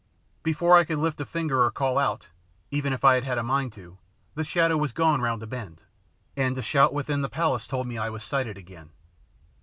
Before I could lift a finger or call out, even if I had had a mind to do so, the shadow had gone round a bend, and a shout within the palace told me I was sighted again.